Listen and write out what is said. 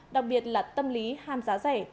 đặc biệt là tâm lý ham giá rẻ